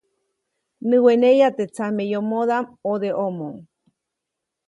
Näweneya teʼ tsameyomodaʼm ʼodeʼomo.